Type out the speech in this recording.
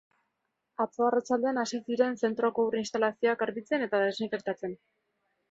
Atzo arratsaldean hasi ziren zentroko ur instalazioak garbitzen eta desinfektatzen.